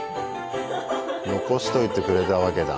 残しといてくれたわけだね前の日に。